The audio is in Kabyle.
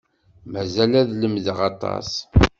Mazal ad lemdeɣ aṭas.